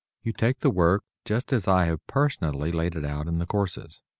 You take the work just as I have personally laid it out in the courses.